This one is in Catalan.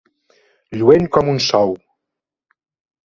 Lluent com un sou.